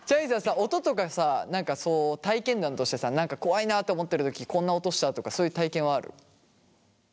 何かそう体験談としてさ何か怖いなと思ってる時こんな音したとかそういう体験はある？